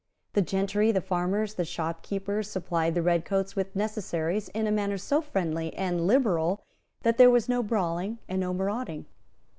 The gentry, the farmers, the shopkeepers supplied the redcoats with necessaries in a manner so friendly and liberal that there was no brawling and no marauding.